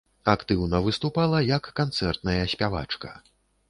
Актыўна выступала як канцэртная спявачка.